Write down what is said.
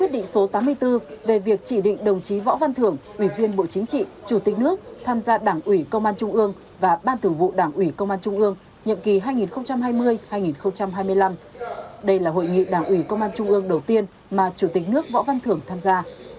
đây là hội nghị đảng ủy công an trung ương đầu tiên mà chủ tịch nước võ văn thưởng tham gia